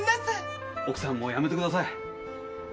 奥さんもうやめてください。